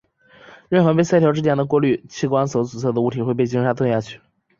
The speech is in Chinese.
任何被鳃条之间的过滤器官所阻塞的物体会被鲸鲨吞下去。